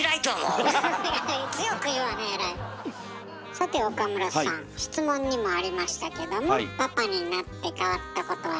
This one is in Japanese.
さて岡村さん質問にもありましたけどもパパになって変わったことありますか？